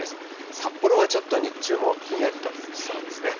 札幌はちょっと日中もひんやりとしそうですね。